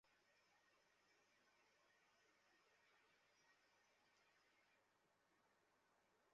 ঐ বাচ্চা জন্ম হওয়ার দিন থেকেই আমি এখানে।